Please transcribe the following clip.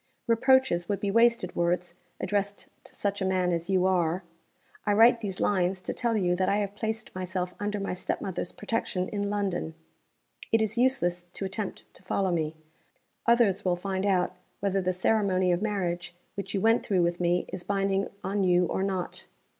Reproaches would be wasted words, addressed to such a man as you are. I write these lines to tell you that I have placed myself under my step mother's protection in London. It is useless to attempt to follow me. Others will find out whether the ceremony of marriage which you went through with me is binding on you or not.